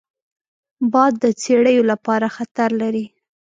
باد د څړیو لپاره خطر لري